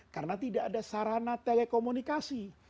karena tidak ada sarana telekomunikasi